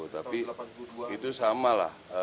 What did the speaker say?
tapi itu sama lah